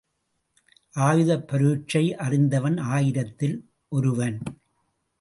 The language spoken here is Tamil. ஆயுதப் பரீக்ஷை அறிந்தவன் ஆயிரத்தில் ஒருவன்.